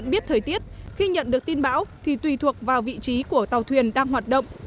biết thời tiết khi nhận được tin bão thì tùy thuộc vào vị trí của tàu thuyền đang hoạt động